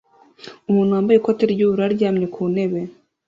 Umuntu wambaye ikoti ry'ubururu aryamye ku ntebe